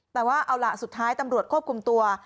แต่ว่าเอาล่ะสุดท้ายตำรวจควบคุมตัว